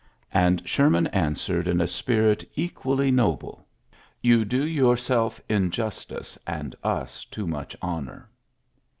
'' And She answered in a spirit equally i "You do yourself injustice and i much honour.